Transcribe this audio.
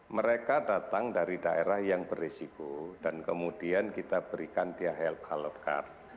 mereka datang dari daerah yang beresiko dan kemudian kita berikan dia health color card